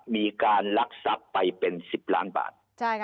มีการลักทรัพย์ไปเป็น๑๐ล้านบาท